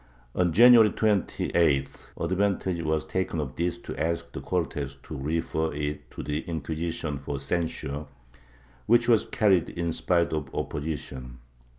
On January 28th advantage was taken of this to ask the Cortes to refer it to the Inquisition for censure, which was carried in spite of opposition.